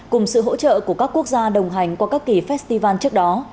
cùng sự hỗ trợ của các quốc gia đồng hành qua các kỳ festival trước đó